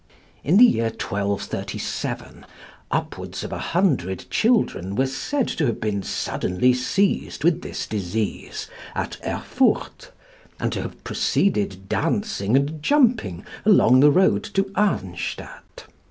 In the year 1237 upwards of a hundred children were said to have been suddenly seized with this disease at Erfurt, and to have proceeded dancing and jumping along the road to Arnstadt.